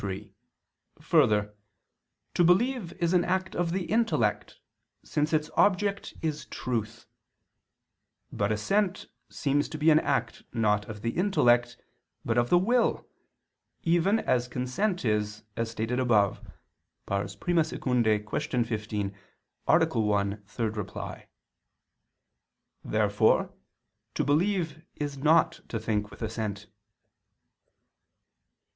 3: Further, to believe is an act of the intellect, since its object is truth. But assent seems to be an act not of the intellect, but of the will, even as consent is, as stated above (I II, Q. 15, A. 1, ad 3). Therefore to believe is not to think with assent.